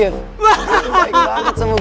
baik banget semua gue